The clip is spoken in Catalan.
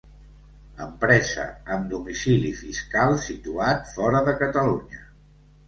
Empresa amb domicili fiscal situat fora de Catalunya.